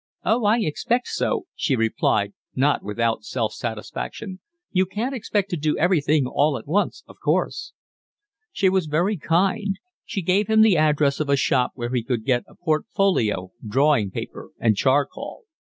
"Oh, I expect so," she replied, not without self satisfaction. "You can't expect to do everything all at once, of course." She was very kind. She gave him the address of a shop where he could get a portfolio, drawing paper, and charcoal.